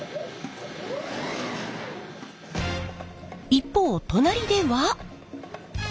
一方隣では。